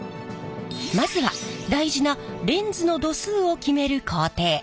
まずは大事なレンズの度数を決める工程。